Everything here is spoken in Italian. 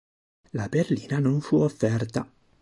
La berlina non fu offerta.